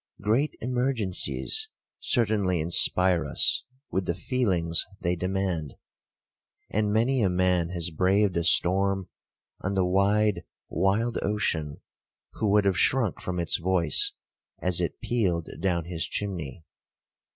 Great emergencies certainly inspire us with the feelings they demand; and many a man has braved a storm on the wide wild ocean, who would have shrunk from its voice as it pealed down his chimney.